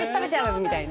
みたいな。